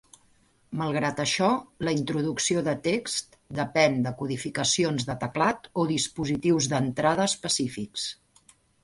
Malgrat això, la introducció de text depèn de codificacions de teclat o dispositius d'entrada específics.